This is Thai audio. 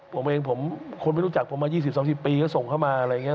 ผมเองผมคนไม่รู้จักผมมายี่สิบสองสิบปีก็ส่งเข้ามาอะไรอย่างเงี้ย